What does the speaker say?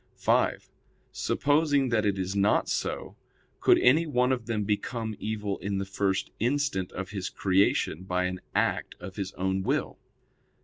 (5) Supposing that it is not so, could any one of them become evil in the first instant of his creation by an act of his own will?